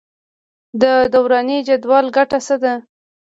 د دوراني جدول ګټه څه ده.